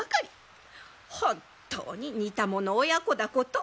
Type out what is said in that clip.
本当に似た者親子だこと。